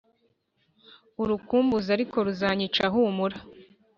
Urukumbuzi ariko ruzanyica humura.